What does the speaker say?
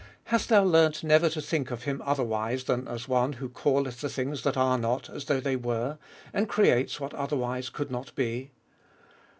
Hast thou learnt never to think of Him otherwise than as the One who calleth the things that are not as though they were, and creates what otherwise could not be